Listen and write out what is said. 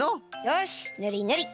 よしぬりぬり。